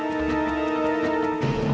tidak ada apa apa